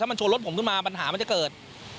มันชนรถผมขึ้นมาปัญหามันจะเกิด